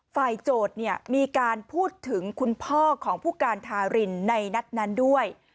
โจทย์มีการพูดถึงคุณพ่อของผู้การทารินในนัดนั้นด้วย